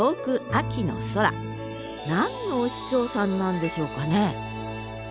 何のお師匠さんなんでしょうかね？